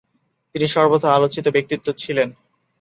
তিনি সর্বদা আলোচিত ব্যক্তিত্ব ছিলেন।